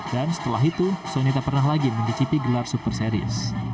dan setelah itu sony tak pernah lagi mencicipi gelar super series